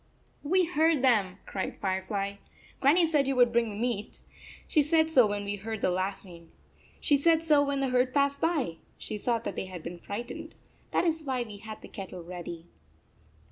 " We heard them, "cried Firefly. " Gran nie said you would bring meat. She said so when we heard the laughing. She said so when the herd passed by. She saw that they had been frightened. That is why we had the kettle ready."